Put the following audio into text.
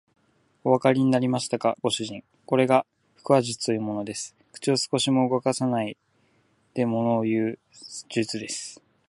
おわかりになりましたか、ご主人。これが腹話術というものです。口を少しも動かさないでものをいう術です。